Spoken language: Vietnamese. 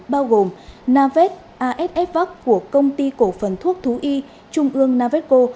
bao gồm navet asf vac của công ty cổ phần thuốc thú y trung ương navetco